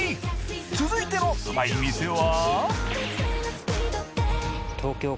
続いてのうまい店は？